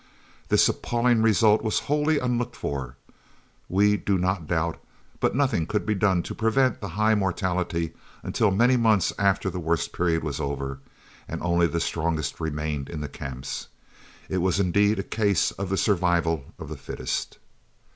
That this appalling result was wholly unlooked for, we do not doubt, but nothing could be done to prevent the high mortality until many months after the worst period was over and only the strongest remained in the camps. It was indeed a case of the survival of the fittest.